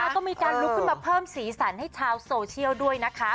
ก็มีการลุกขึ้นมาเพิ่มสีสันให้ชาวโซเชียลด้วยนะคะ